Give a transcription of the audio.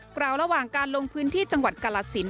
กล่าวระหว่างการลงพื้นที่จังหวัดกาลสิน